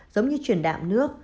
giống như truyền đạm nước